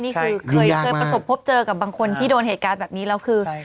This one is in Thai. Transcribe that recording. นี่คือเคยประสบพบเจอกับบางคนที่โดนเหตุการณ์แบบนี้แล้วคือ